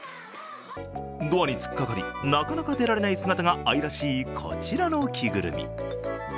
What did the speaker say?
ドアに突っかかり、なかなか出られない姿が愛らしいこちらの着ぐるみ。